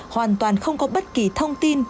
hoàn toàn không có bất kỳ thông tin